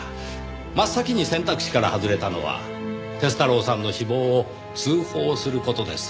真っ先に選択肢から外れたのは鐵太郎さんの死亡を通報する事です。